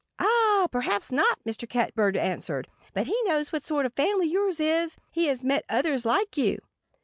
"Ah! Perhaps not!" Mr. Catbird answered. "But he knows what sort of family yours is. He has met others like you."